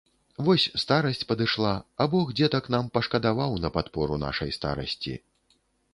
Вось старасць падышла, а бог дзетак нам пашкадаваў на падпору нашай старасці.